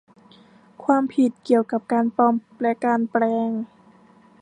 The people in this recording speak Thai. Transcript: ความผิดเกี่ยวกับการปลอมและการแปลง